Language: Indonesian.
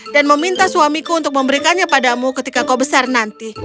dan meminta suamiku untuk memberikannya padamu ketika kau besar nanti